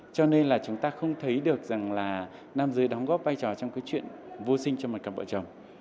cho nên là chúng ta không thấy được nam giới đóng góp vai trò trong chuyện vô sinh cho một cặp bộ chồng